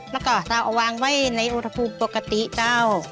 แล้วก็จะเอาวางไว้ในอุณหภูมิปกติเจ้า